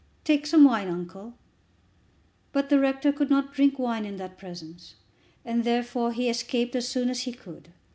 Take some wine, uncle." But the rector could not drink wine in that presence, and therefore he escaped as soon as he could.